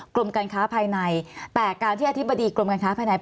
กรมการค้าภายในแต่การที่อธิบดีกรมการค้าภายใน